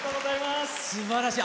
すばらしい！